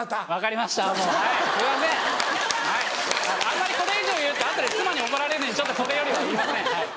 あんまりこれ以上言うと後で妻に怒られるんでちょっとこれよりは言いません。